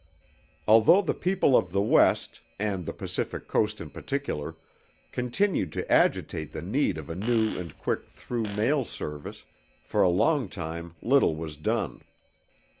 Although the people of the West, and the Pacific Coast in particular, continued to agitate the need of a new and quick through mail service, for a long time little was done.